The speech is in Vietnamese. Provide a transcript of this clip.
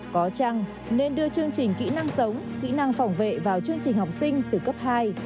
có chăng nên đưa chương trình kỹ năng sống kỹ năng phòng vệ vào chương trình học sinh từ cấp hai